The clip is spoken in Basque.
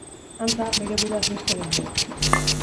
Antza, bere buruaz beste egin du.